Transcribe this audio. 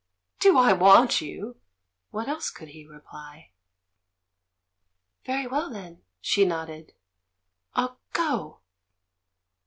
"Do I 'want' you!" What else could he re ply? "Very well, then." She nodded. "I'll go!